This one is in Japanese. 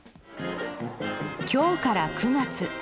今日から９月。